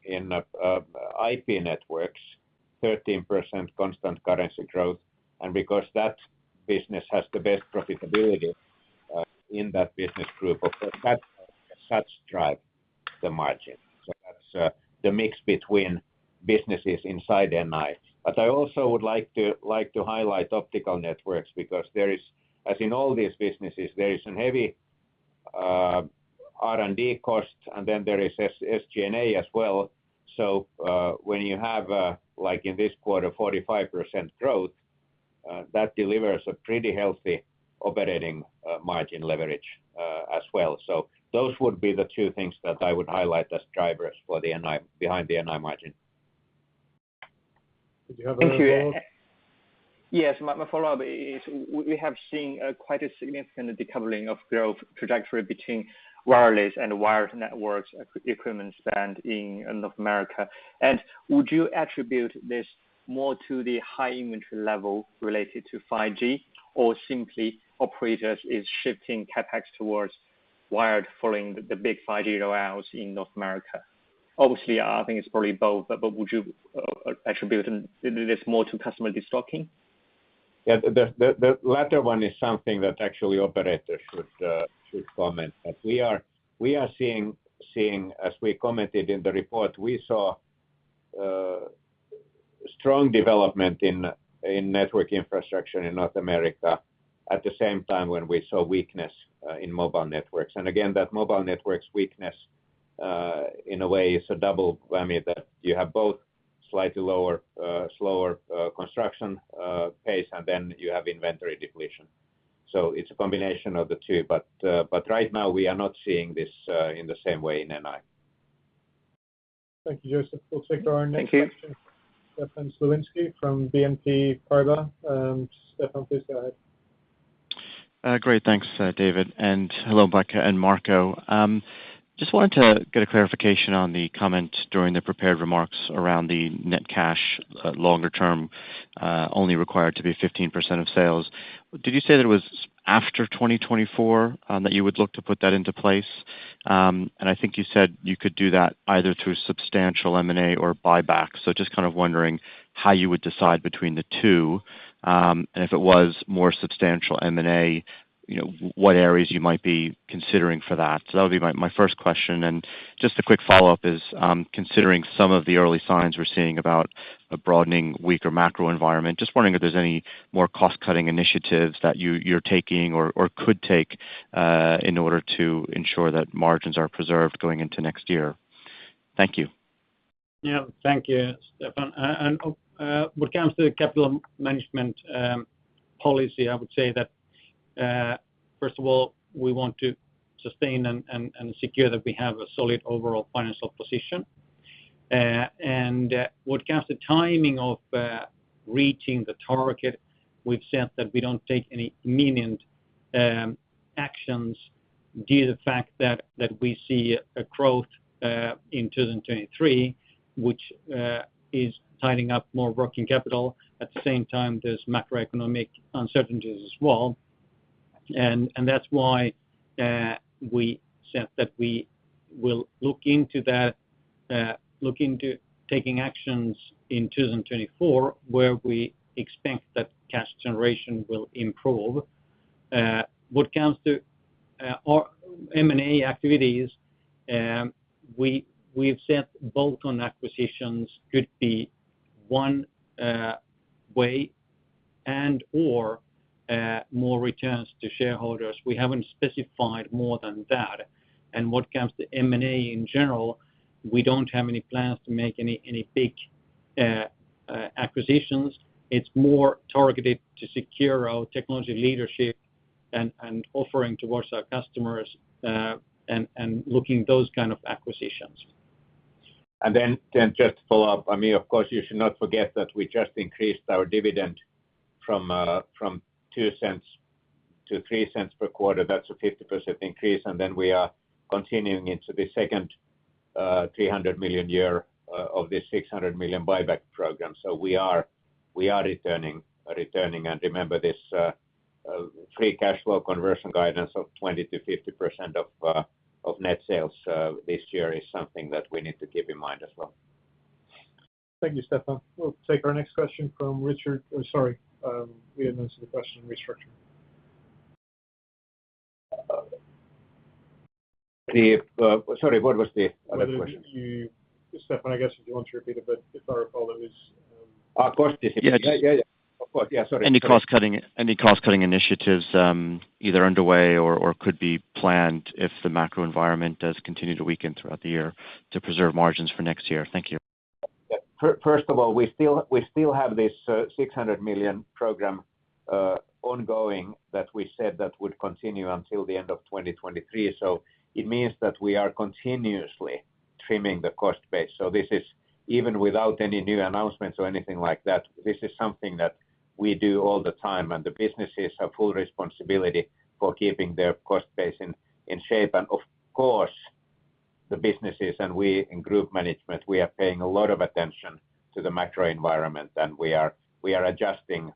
IP networks, 13% constant currency growth. Because that business has the best profitability in that business group of such drive the margin. That's the mix between businesses inside NI. I also would like to highlight optical networks because there is. As in all these businesses, there is some heavy R&D costs, and then there is SG&A as well. When you have, like in this quarter, 45% growth, that delivers a pretty healthy operating margin leverage as well. Those would be the two things that I would highlight as drivers for the NI, behind the NI margin. Did you have another follow-up? Thank you. Yes. My follow-up is we have seen quite a significant decoupling of growth trajectory between wireless and wired networks equipment spend in North America. Would you attribute this more to the high inventory level related to 5G or simply operators is shifting CapEx towards wired following the big 5G rollouts in North America? Obviously, I think it's probably both, but would you attribute this more to customer destocking? The latter one is something that actually operators should comment. We are seeing, as we commented in the report, we saw strong development in network infrastructure in North America at the same time when we saw weakness in mobile networks. Again, that mobile networks weakness in a way is a double whammy that you have both slightly lower, slower construction pace, and then you have inventory depletion. It's a combination of the two. Right now we are not seeing this in the same way in NI. Thank you, Joseph. We'll take our next question. Thank you. from Stefan Slowinski from BNP Paribas. Stefan, please go ahead. Great. Thanks, David, and hello, Pekka and Marco. Just wanted to get a clarification on the comment during the prepared remarks around the net cash, longer term, only required to be 15% of sales. Did you say that it was after 2024 that you would look to put that into place? I think you said you could do that either through substantial M&A or buyback. Just kind of wondering how you would decide between the two, and if it was more substantial M&A, you know, what areas you might be considering for that. That would be my first question. Just a quick follow-up is, considering some of the early signs we're seeing about a broadening weaker macro environment, just wondering if there's any more cost-cutting initiatives that you're taking or could take in order to ensure that margins are preserved going into next year. Thank you. Yeah. Thank you, Stefan. When it comes to capital management, policy, I would say that, first of all, we want to sustain and secure that we have a solid overall financial position. When it comes to timing of reaching the target, we've said that we don't take any imminent actions due to the fact that we see a growth in 2023, which is tying up more working capital. At the same time, there's macroeconomic uncertainties as well. That's why we said that we will look into that, look into taking actions in 2024, where we expect that cash generation will improve. What comes to our M&A activities, we have said bolt-on acquisitions could be one way and/or more returns to shareholders. We haven't specified more than that. What comes to M&A in general, we don't have any plans to make any big acquisitions. It's more targeted to secure our technology leadership and offering towards our customers and looking those kind of acquisitions. Then, just to follow up, I mean, of course, you should not forget that we just increased our dividend from 0.02-0.03 per quarter. That's a 50% increase. We are continuing into the second 300 million year of this 600 million buyback program. We are returning. Remember this free cash flow conversion guidance of 20%-50% of net sales this year is something that we need to keep in mind as well. Thank you, Stefan. We'll take our next question from Richard. Sorry, we have answered the question from Richard. The... Sorry, what was the other question? You Stefan, I guess if you want to repeat it, but if I recall, it was. Our cost- Yeah. Yeah, yeah. Of course. Yeah. Sorry. Any cost-cutting initiatives, either underway or could be planned if the macro environment does continue to weaken throughout the year to preserve margins for next year. Thank you. Yeah. First of all, we still have this 600 million program ongoing that we said that would continue until the end of 2023. It means that we are continuously trimming the cost base. This is even without any new announcements or anything like that, this is something that we do all the time, and the businesses have full responsibility for keeping their cost base in shape. Of course, the businesses and we in group management, we are paying a lot of attention to the macro environment, and we are adjusting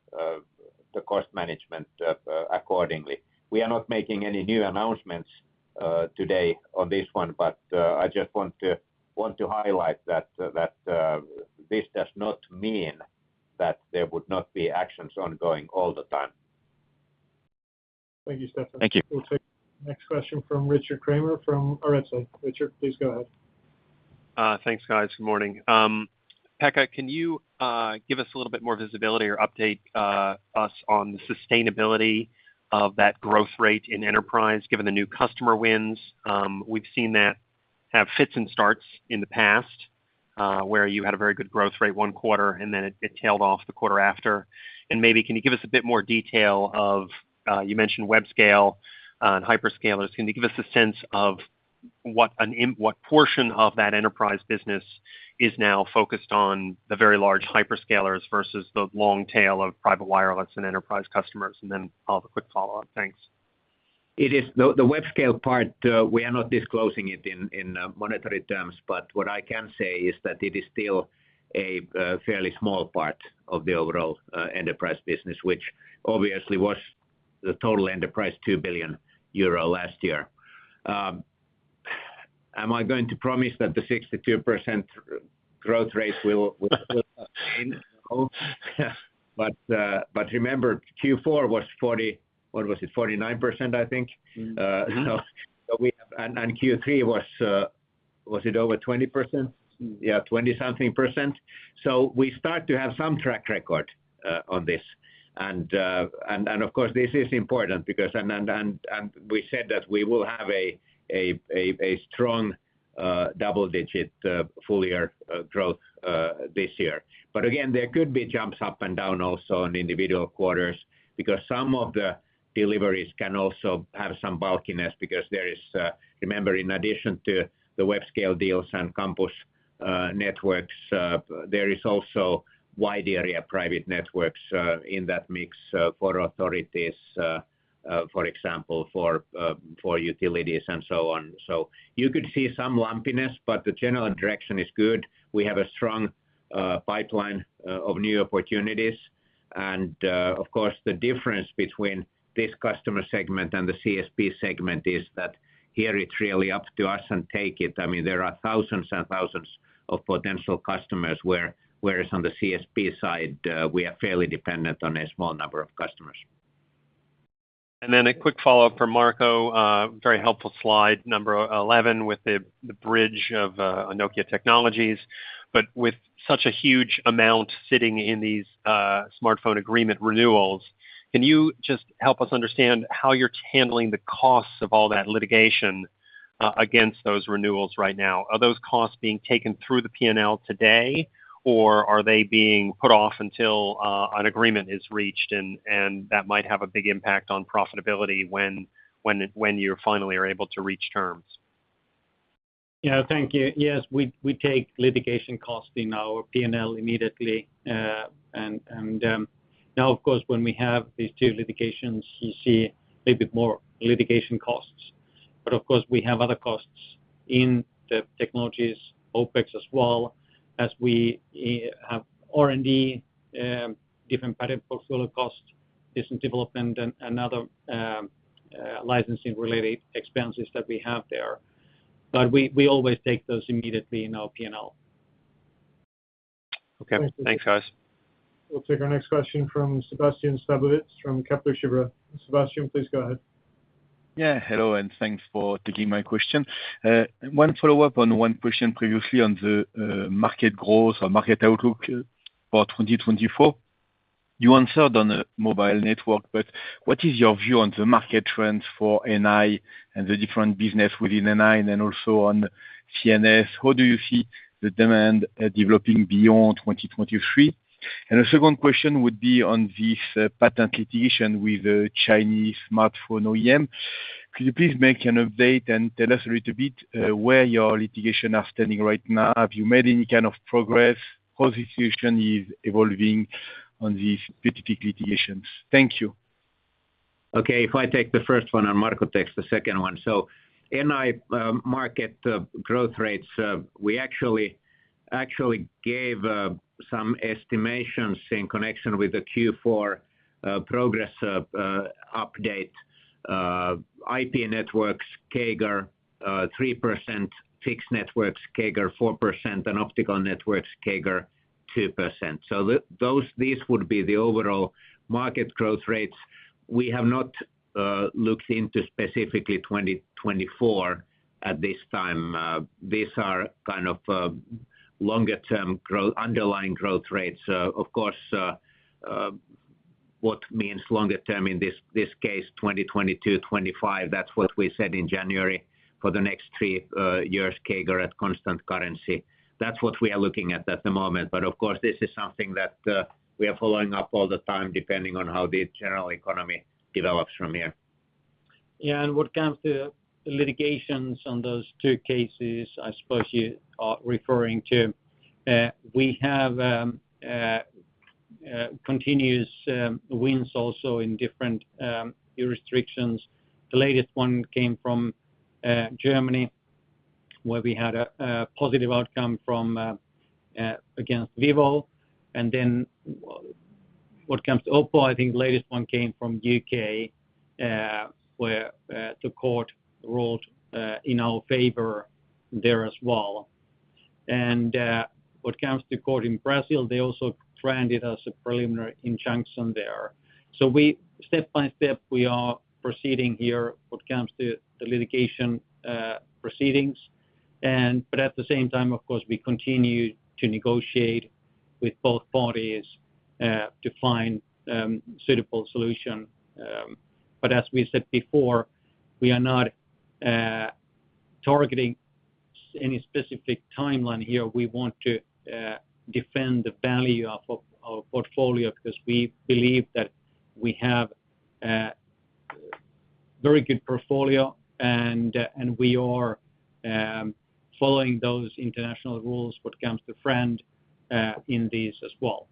the cost management accordingly. We are not making any new announcements today on this one, but I just want to highlight that this does not mean that there would not be actions ongoing all the time. Thank you, Stefan. Thank you. We'll take next question from Richard Kramer from Arete. Richard, please go ahead. Thanks, guys. Good morning. Pekka, can you give us a little bit more visibility or update us on the sustainability of that growth rate in enterprise, given the new customer wins? We've seen that have fits and starts in the past, where you had a very good growth rate one quarter, and then it tailed off the quarter after. Maybe, can you give us a bit more detail of, you mentioned web scale and hyperscalers. Can you give us a sense of what portion of that enterprise business is now focused on the very large hyperscalers versus the long tail of private wireless and enterprise customers? Then I'll have a quick follow-up. Thanks. The web scale part, we are not disclosing it in monetary terms, what I can say is that it is still a fairly small part of the overall enterprise business, which obviously was the total enterprise 2 billion euro last year. Am I going to promise that the 62% growth rate will sustain? No. Remember, Q4 was What was it? 49%, I think. Q3 was it over 20%? Yeah, 20-something%. We start to have some track record on this. Of course, this is important because we said that we will have a strong double-digit full year growth this year. There could be jumps up and down also on individual quarters because some of the deliveries can also have some bulkiness because there is, remember, in addition to the web scale deals and campus networks, there is also wide area private networks in that mix for authorities, for example, for utilities and so on. So you could see some lumpiness, but the general direction is good. We have a strong pipeline of new opportunities. And, of course, the difference between this customer segment and the CSP segment is that here it's really up to us and take it. I mean, there are thousands and thousands of potential customers, whereas on the CSP side, we are fairly dependent on a small number of customers. A quick follow-up for Marco. Very helpful slide number 11 with the bridge of Nokia Technologies. With such a huge amount sitting in these smartphone agreement renewals, can you just help us understand how you're handling the costs of all that litigation against those renewals right now? Are those costs being taken through the P&L today, or are they being put off until an agreement is reached and that might have a big impact on profitability when you finally are able to reach terms? Thank you. Yes, we take litigation costs in our P&L immediately. Now, of course, when we have these two litigations, you see a little bit more litigation costs. Of course, we have other costs in the technologies, OpEx as well as we have R&D, different patent portfolio costs, business development, and other licensing related expenses that we have there. We always take those immediately in our P&L. Okay. Thanks, guys. We'll take our next question from Sébastien Sztabowicz from Kepler Cheuvreux. Sébastien, please go ahead. Yeah. Hello, thanks for taking my question. One follow-up on one question previously on the market growth or market outlook for 2024. You answered on a mobile network, what is your view on the market trends for NI and the different business within NI, also on CNS? How do you see the demand developing beyond 2023? A second question would be on this patent litigation with the Chinese smartphone OEM. Could you please make an update and tell us a little bit where your litigation are standing right now? Have you made any kind of progress? How the situation is evolving on these specific litigations? Thank you. Okay. If I take the first one, Marco takes the second one. NI market growth rates, we actually gave some estimations in connection with the Q4 progress update. IP networks CAGR 3%, fixed networks CAGR 4%, and optical networks CAGR 2%. These would be the overall market growth rates. We have not looked into specifically 2024 at this time. These are kind of longer term underlying growth rates. Of course, what means longer term in this case, 2020 to 2025, that's what we said in January for the next three years CAGR at constant currency. That's what we are looking at at the moment. Of course, this is something that we are following up all the time, depending on how the general economy develops from here. Yeah. What comes to the litigations on those two cases, I suppose, you are referring to. We have continuous wins also in different jurisdictions. The latest one came from Germany, where we had a positive outcome against Vivo. What comes to OPPO, I think latest one came from U.K. where the court ruled in our favor there as well. What comes to court in Brazil, they also granted us a preliminary injunction there. Step by step, we are proceeding here when it comes to the litigation proceedings. At the same time, of course, we continue to negotiate with both parties to find suitable solution. As we said before, we are not targeting any specific timeline here. We want to defend the value of our portfolio because we believe that we have a very good portfolio and we are following those international rules when it comes to FRAND, in these as well.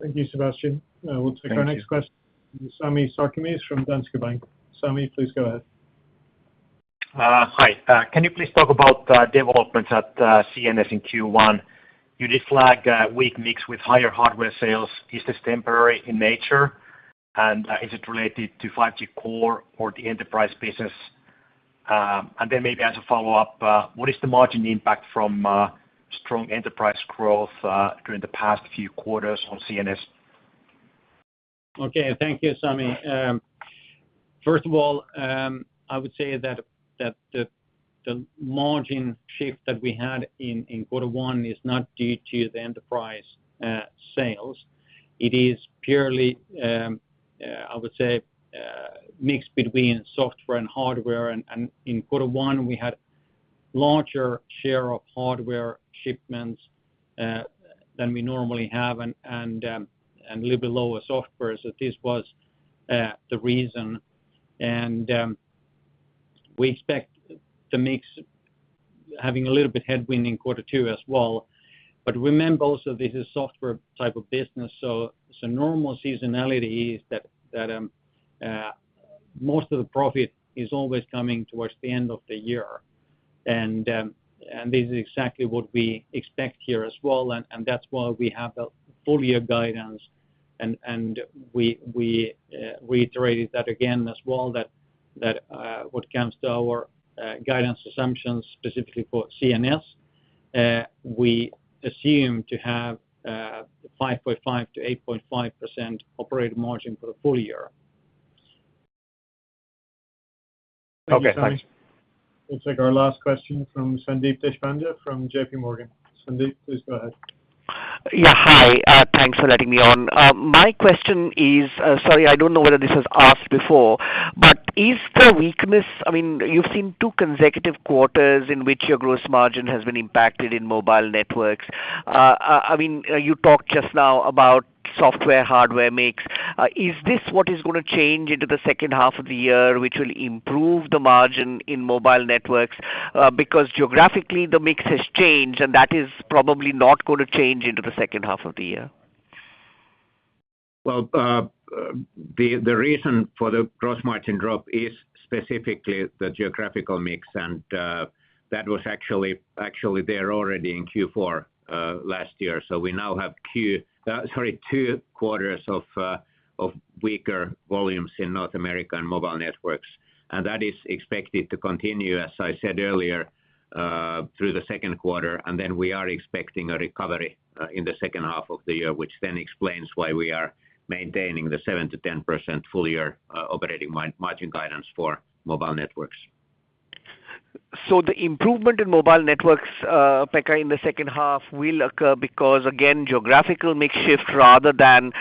Thank you, Sébastien. Thank you. We'll take our next question. Sami Sarkamies from Danske Bank. Sami, please go ahead. Hi. Can you please talk about developments at CNS in Q1? You did flag weak mix with higher hardware sales. Is this temporary in nature? Is it related to 5G core or the enterprise business? Then maybe as a follow-up, what is the margin impact from strong enterprise growth during the past few quarters on CNS? Okay, thank you, Sami. First of all, I would say that the margin shift that we had in quarter one is not due to the enterprise sales. It is purely I would say mix between software and hardware. In quarter one, we had larger share of hardware shipments than we normally have and little bit lower software. This was the reason. We expect the mix having a little bit headwind in quarter two as well. Remember also this is software type of business, so normal seasonality is that most of the profit is always coming towards the end of the year. This is exactly what we expect here as well. That's why we have the full year guidance. We reiterated that again as well, what comes to our guidance assumptions, specifically for CNS, we assume to have 5.5%-8.5% operating margin for the full year. Okay, thanks. We'll take our last question from Sandeep Deshpande from J.P. Morgan. Sandeep, please go ahead. Thanks for letting me on. My question is, sorry, I don't know whether this was asked before, but is the weakness-- I mean, you've seen two consecutive quarters in which your gross margin has been impacted in Mobile Networks. I mean, you talked just now about software, hardware mix. Is this what is gonna change into the second half of the year, which will improve the margin in Mobile Networks? Because geographically, the mix has changed, and that is probably not gonna change into the second half of the year. Well, the reason for the gross margin drop is specifically the geographical mix, and that was actually there already in Q4 last year. We now have sorry, two quarters of weaker volumes in North America and Mobile Networks, and that is expected to continue, as I said earlier, through the second quarter. Then we are expecting a recovery in the second half of the year, which explains why we are maintaining the 7%-10% full year operating margin guidance for Mobile Networks. The improvement in mobile networks, Pekka, in the second half will occur because, again, geographical mix shift rather than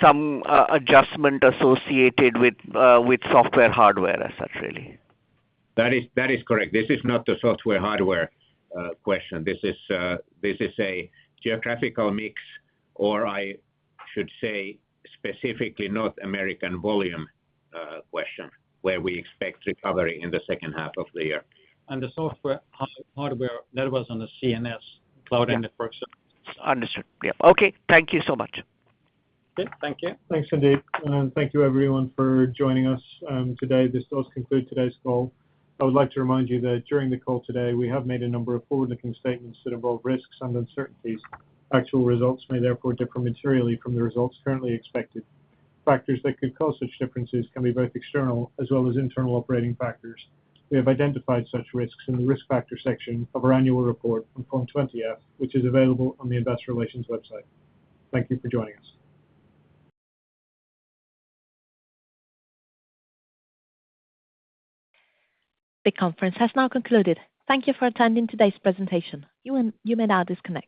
some adjustment associated with software, hardware as such, really? That is correct. This is not a software, hardware question. This is a geographical mix, or I should say, specifically North American volume question, where we expect recovery in the second half of the year. The software, hardware, that was on the CNS cloud infrastructure. Understood. Yeah. Okay, thank you so much. Yeah, thank you. Thanks, Sandeep. Thank you everyone for joining us today. This does conclude today's call. I would like to remind you that during the call today, we have made a number of forward-looking statements that involve risks and uncertainties. Actual results may therefore differ materially from the results currently expected. Factors that could cause such differences can be both external as well as internal operating factors. We have identified such risks in the Risk Factors section of our annual report on Form 20-F, which is available on the Investor Relations website. Thank you for joining us. The conference has now concluded. Thank you for attending today's presentation. You may now disconnect.